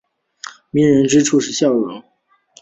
迷人之处是笑容。